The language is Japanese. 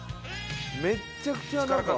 めっちゃくちゃなんか。